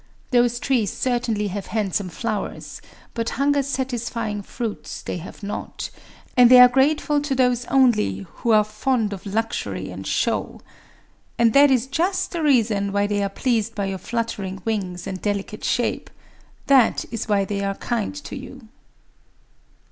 Those trees certainly have handsome flowers; but hunger satisfying fruits they have not; and they are grateful to those only who are fond of luxury and show. And that is just the reason why they are pleased by your fluttering wings and delicate shape;—that is why they are kind to you.